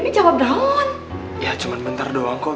ya cuma bentar doang